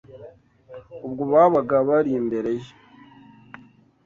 Ubwo babaga bari imbere ye